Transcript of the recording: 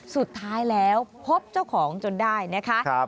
สุดท้ายแล้วพบเจ้าของจนได้นะคะ